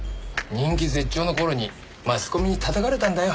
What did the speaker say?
人気絶頂の頃にマスコミに叩かれたんだよ。